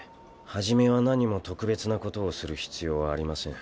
初めは何も特別なことをする必要はありません。